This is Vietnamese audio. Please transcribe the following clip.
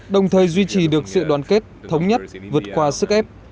đồng thời duy trì được sự đoàn kết thống nhất vượt qua sức ép